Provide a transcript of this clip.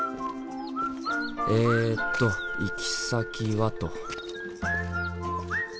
えと行き先はと。